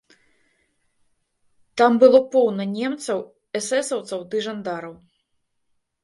Там было поўна немцаў, эсэсаўцаў ды жандараў.